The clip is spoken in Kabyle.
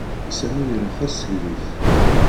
Sami ira tasegrit.